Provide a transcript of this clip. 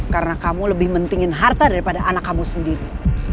karena kamu lebih pentingin harta daripada anak kamu sendiri